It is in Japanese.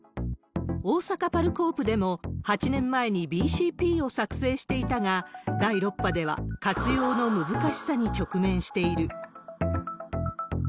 おおさかパルコープでも８年前にＢＣＰを作成していたが、第６波では活用の難しさに直面している。